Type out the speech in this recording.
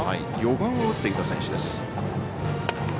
４番を打っていた選手です。